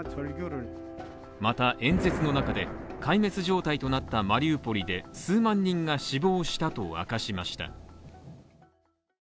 また、演説の中で壊滅状態となったマリウポリで数万人が死亡したと明かしました。